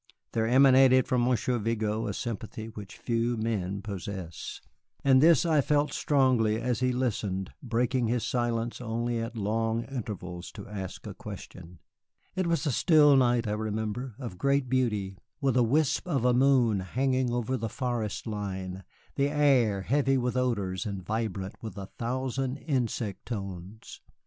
There emanated from Monsieur Vigo a sympathy which few men possess, and this I felt strongly as he listened, breaking his silence only at long intervals to ask a question. It was a still night, I remember, of great beauty, with a wisp of a moon hanging over the forest line, the air heavy with odors and vibrant with a thousand insect tones.